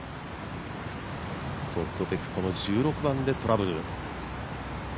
トッド・ペク、１６番でトラブル。